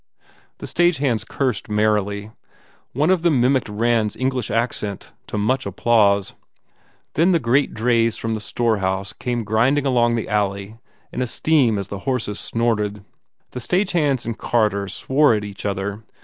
The stage hands cursed merrily. One of them mimicked Rand s English accent to much applause. Then the great drays from the store house came grinding along the alley in a steam as the horses snorted. The stage hands and carters swore at each other.